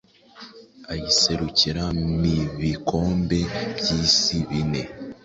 ayiserukira mi bikombe by’isi bine